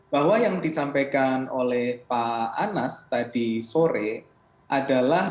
bahwa yang disampaikan oleh pak anas tadi sore adalah